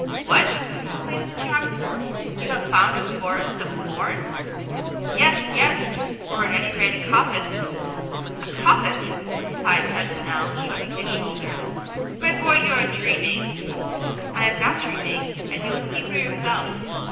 "What!" exclaimed the geographer; "you have found a forest of horns?" "Yes, yes, or at any rate a coppice." "A coppice!" replied Paganel, shrugging his shoulders. "My boy, you are dreaming." "I am not dreaming, and you will see for yourself.